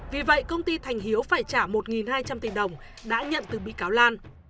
vì vậy công ty thành hiếu phải trả một hai trăm linh tỷ đồng đã nhận từ bị cáo lan